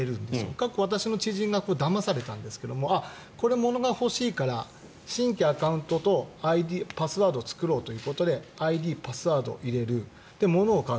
過去、私の知人がだまされたんですけどこれ、物が欲しいから新規アカウントを作ろうということでＩＤ、パスワードを入れるで、物が買う。